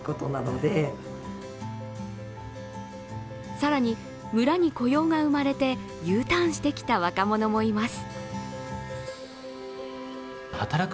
更に、村に雇用が生まれてＵターンしてきた若者もいます。